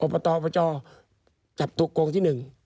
อบตประจอบจับถูกโกงที่๑